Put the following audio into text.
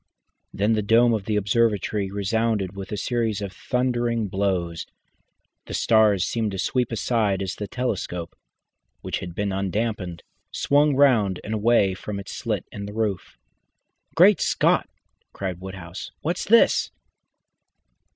Then the dome of the observatory resounded with a series of thundering blows. The stars seemed to sweep aside as the telescope which had been unclamped swung round and away from the slit in the roof. "Great Scott!" cried Woodhouse. "What's this?"